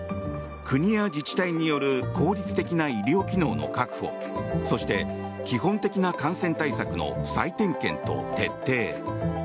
国や自治体による効率的な医療機能の確保そして、基本的な感染対策の再点検と徹底。